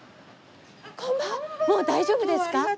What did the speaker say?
もう大丈夫ですか？